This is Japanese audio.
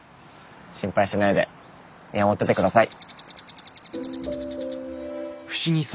心配しないで見守ってて下さい。